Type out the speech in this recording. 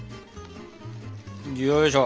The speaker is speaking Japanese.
よいしょ。